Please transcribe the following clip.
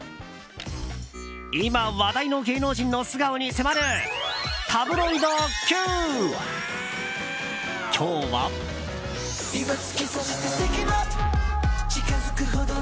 今、話題の芸能人の素顔に迫るタブロイドＱ！